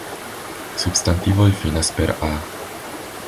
Substantivoj finas per -a.